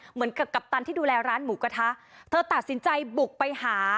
เหมือนกับกัปตันที่ดูแลร้านหมูกระทะเธอตัดสินใจบุกไปหา